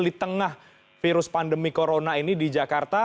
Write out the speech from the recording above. di tengah virus pandemi corona ini di jakarta